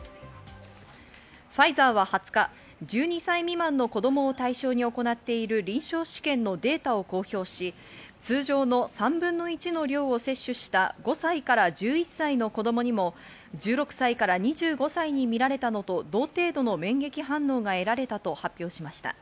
ファイザーは２０日、１２歳未満の子供を対象に行っている臨床試験のデータを公表し、通常の３分の１の量を接種した５歳から１１歳の子供にも１６歳から２５歳に見られたのと同程度の免疫反応が得られたと発表しました。